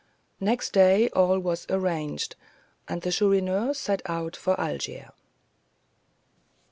Next day all was arranged, and the Chourineur set out for Algiers.